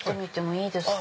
いいですか？